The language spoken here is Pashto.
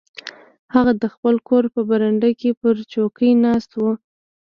هغه د خپل کور په برنډه کې پر څوکۍ ناست و.